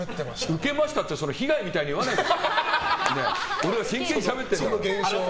受けましたって被害みたいに言わないで。